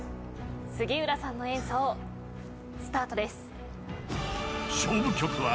杉浦さんの演奏スタートです。